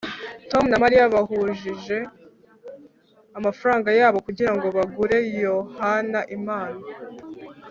tom na mariya bahujije amafaranga yabo kugirango bagure yohana impano